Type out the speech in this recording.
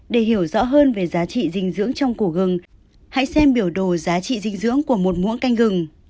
để hiểu rõ hơn về giá trị dinh dưỡng trong cổ gừng hãy xem biểu đồ giá trị dinh dưỡng của một mễ canh gừng